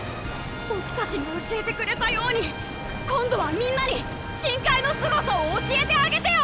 僕たちに教えてくれたように今度はみんなに深海のすごさを教えてあげてよ！